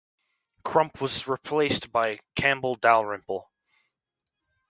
Crump was replaced by Campbell Dalrymple.